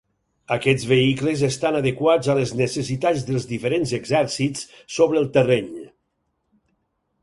Aquests vehicles estan adequats a les necessitats dels diferents exèrcits sobre el terreny.